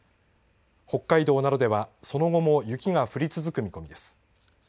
北海道などではその後も雪が降り続く見込みです。